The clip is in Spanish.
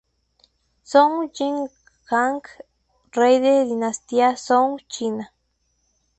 Zhou Jing Wang, rey de la Dinastía Zhou China.